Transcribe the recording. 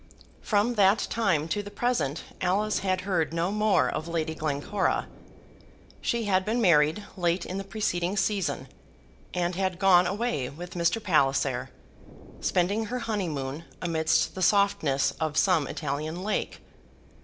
From that time to this present Alice had heard no more of Lady Glencora. She had been married late in the preceding season and had gone away with Mr. Palliser, spending her honeymoon amidst the softnesses of some Italian lake.